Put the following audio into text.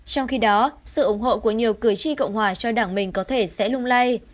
trong khi đó sự ủng hộ của nhiều cử tri cộng hòa cho đảng mình có thể sẽ lung lay